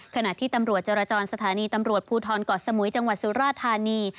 ขณะที่ตำรวจจรจรสถานีตำรวจภูทรเกาะสมุยจังหวัดสุราธานี